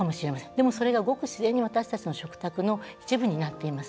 しかし、それがごく自然に私たちの食の一部になっています。